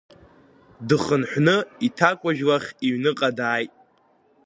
Дыхынҳәны иҭакәажә лахь иҩныҟа дааит.